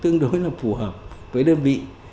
tương đối là phù hợp với đơn vị